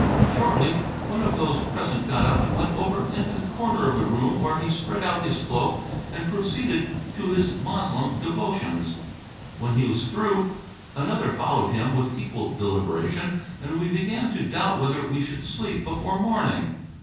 Shortly, one of those present got up and went over into the corner of the room where he spread out his cloak and proceeded to his Moslem devotions. When he was through, another followed him with equal deliberation, and we began to doubt whether we should sleep before morning.